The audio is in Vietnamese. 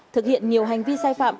thực hiện nhiều hành vi sai phạm